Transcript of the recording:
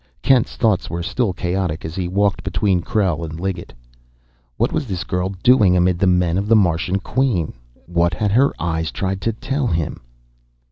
Kent's thoughts were still chaotic as he walked between Krell and Liggett. What was this girl doing amid the men of the Martian Queen? What had her eyes tried to tell him?